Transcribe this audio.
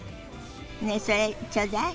ねえそれちょうだい。